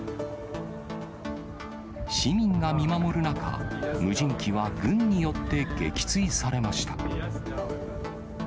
市民が見守る中、無人機は軍によって撃墜されました。